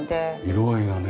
色合いがね